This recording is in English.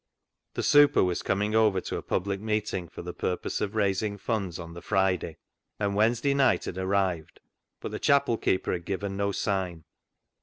The " super " was coming over to a public meeting for the purpose of raising funds on the Friday, and Wednesday night had arrived, but the chapel keeper had given no sign.